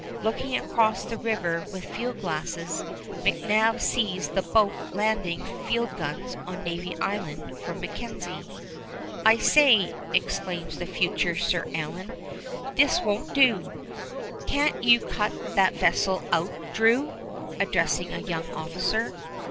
Looking across the river with field glasses, McNab sees the boat landing field guns on Navy Island for MacKenzie. "I say," exclaims the future Sir Allan, "this won't do! Can't you cut that vessel out, Drew?" addressing a young officer.